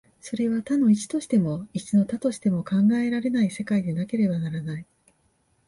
それは多の一としても、一の多としても考えられない世界でなければならない。